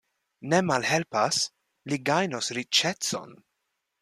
Ne malhelpas! li gajnos riĉecon.